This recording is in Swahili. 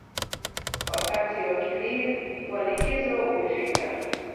Wakati wa likizo umefika